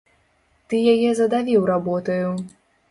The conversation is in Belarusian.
Ты яе задавіў работаю.